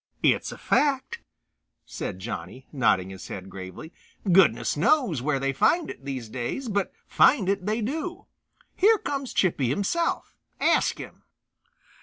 "It's a fact," said Johnny, nodding his head gravely. "Goodness knows where they find it these days, but find it they do. Here comes Chippy himself; ask him."